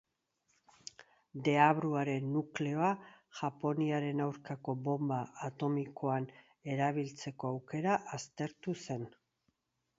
Deabruaren nukleoa Japoniaren aurkako bonba atomikoan erabiltzeko aukera aztertu zen.